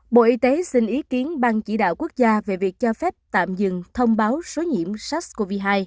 bộ y tế xin ý kiến ban chỉ đạo quốc gia về việc cho phép tạm dừng thông báo số nhiễm sars cov hai